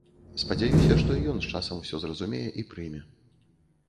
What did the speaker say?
Спадзяюся, што і ён з часам усё зразумее і прыме.